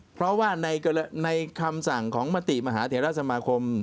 เพราะว่าในคำสั่งของมติมหาเทราสมาคม